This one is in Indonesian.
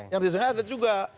yang tidak sengaja ada juga